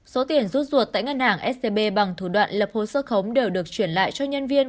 số tiền rút ruột tại ngân hàng scb bằng thủ đoạn lập hồ sơ khống đều được chuyển lại cho nhân viên